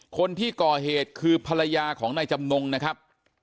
คนที่ก่อเหตุคือภรรยาของนายจำนงนะครับ